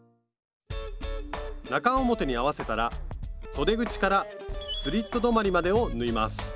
中表に合わせたらそで口からスリット止まりまでを縫います